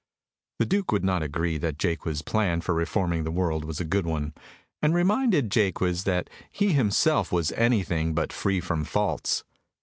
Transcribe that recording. The Duke would not agree that Jaques's plan for reforming the world was a good one, and reminded Jaques that he himself was anything but free from faults.